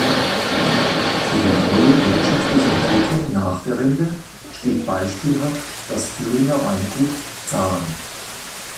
Für die neue wirtschaftliche Entwicklung nach der Wende steht beispielhaft das Thüringer Weingut Zahn.